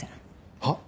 はっ？